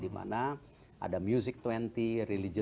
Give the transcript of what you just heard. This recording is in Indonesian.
dimana kita bisa mendorong pr ing yang lain di g dua puluh ini